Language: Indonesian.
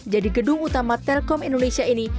jadi gedung utama telkom indonesia ini